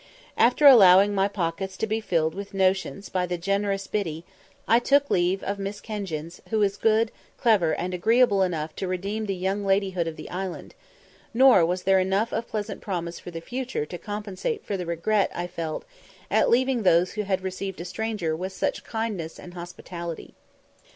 After allowing my pocket to be filled with "notions" by the generous "Biddy," I took leave of Miss Kenjins, who is good, clever, and agreeable enough to redeem the young ladyhood of the island nor was there enough of pleasant promise for the future to compensate for the regret I felt at leaving those who had received a stranger with such kindness and hospitality.